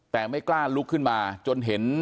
แต่ไม่กล้าลุกขึ้นมาจนเห็น